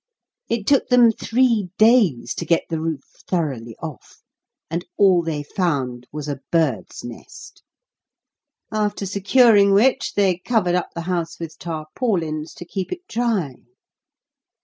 It took them three days to get the roof thoroughly off, and all they found was a bird's nest; after securing which they covered up the house with tarpaulins, to keep it dry.